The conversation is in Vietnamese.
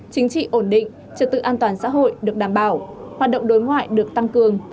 chính trị ổn định trật tự an toàn xã hội được đảm bảo hoạt động đối ngoại được tăng cường